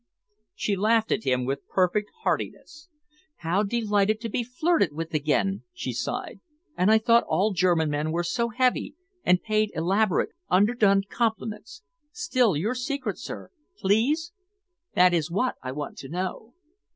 She laughed at him with perfect heartiness. "How delightful to be flirted with again!" she sighed. "And I thought all German men were so heavy, and paid elaborate, underdone compliments. Still, your secret, sir, please? That is what I want to know."